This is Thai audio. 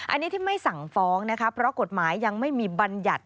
อันนี้ที่ไม่สั่งฟ้องนะคะเพราะกฎหมายยังไม่มีบัญญัติ